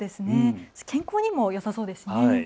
健康にもよさそうですよね。